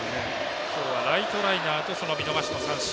今日はライトライナーと見逃し三振。